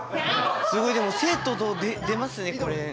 すごいでも静と動出ますねこれ。